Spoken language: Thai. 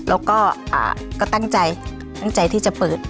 แล้วก็ตั้งใจตั้งใจที่จะเปิด